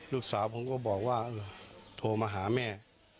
ลูกสาวผมก็บอกว่าโทรมาหาแม่